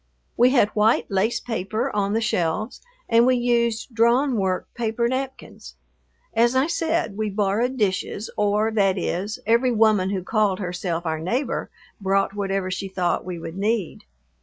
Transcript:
We had white lace paper on the shelves and we used drawn work paper napkins. As I said, we borrowed dishes, or, that is, every woman who called herself our neighbor brought whatever she thought we would need.